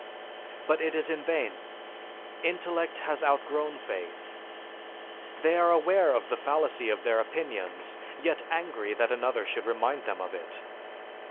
But it is in vain; intellect has outgrown faith. They are aware of the fallacy of their opinions, yet angry that another should remind them of it.